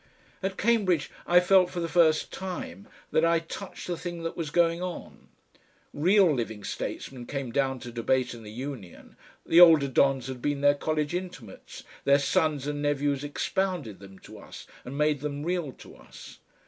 At Cambridge I felt for the first time that I touched the thing that was going on. Real living statesmen came down to debate in the Union, the older dons had been their college intimates, their sons and nephews expounded them to us and made them real to us.